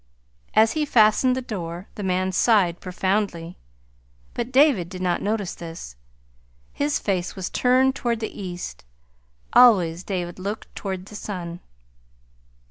As he fastened the door the man sighed profoundly; but David did not notice this. His face was turned toward the east always David looked toward the sun.